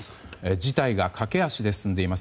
事態が駆け足で進んでいます。